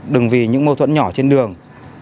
đừng vì những mâu thuẫn nhỏ trên đường